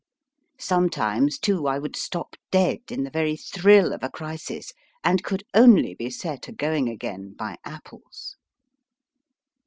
Some times, too, I would stop dead in the very thrill of a crisis, and could only be set agoing again by apples.